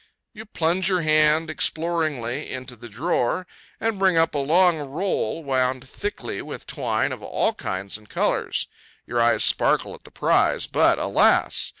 You plunge your hand exploringly into the drawer, and bring up a long roll wound thickly with twine of all kinds and colors. Your eyes sparkle at the prize; but, alas!